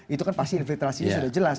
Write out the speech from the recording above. itu kan pasti infiltrasinya sudah jelas